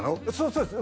そうです